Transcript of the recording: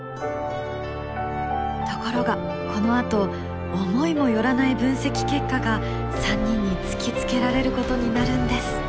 ところがこのあと思いも寄らない分析結果が３人に突きつけられることになるんです。